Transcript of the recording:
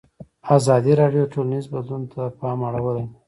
ازادي راډیو د ټولنیز بدلون ته پام اړولی.